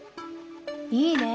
いいね。